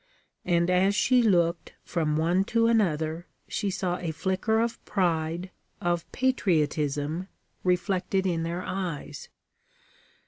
And as she looked from one to another, she saw a flicker of pride, of patriotism, reflected in their eyes.